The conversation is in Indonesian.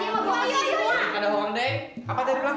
biasa gua kalau jadi jenajah parkir kuling